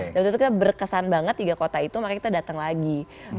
dan waktu itu kita berkesan banget tiga kota itu makanya kita dateng lagi